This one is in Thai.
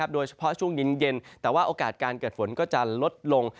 โดยเฉพาะช่วงเย็นแต่ว่าโอกาสการเกิดฝนก็จะลดลง